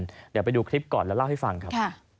เดี๋ยวไปดูคลิปก่อนแล้วเล่าให้ฟังครับ